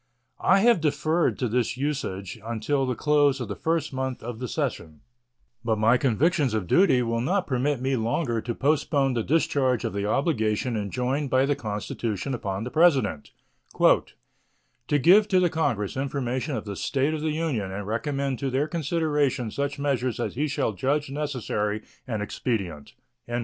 I have deferred to this usage until the close of the first month of the session, but my convictions of duty will not permit me longer to postpone the discharge of the obligation enjoined by the Constitution upon the President "to give to the Congress information of the state of the Union and recommend to their consideration such measures as he shall judge necessary and expedient."